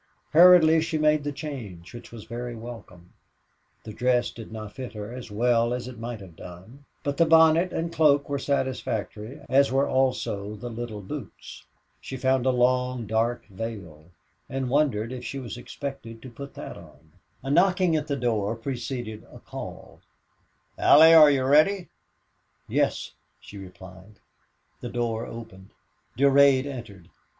Hurriedly she made the change, which was very welcome. The dress did not fit her as well as it might have done, but the bonnet and cloak were satisfactory, as were also the little boots. She found a long, dark veil and wondered if she was expected to put that on. A knocking at the door preceded a call, "Allie, are you ready?" "Yes," she replied. The door opened. Durade entered.